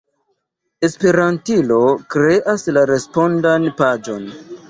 Esperantilo kreas la respondan paĝon.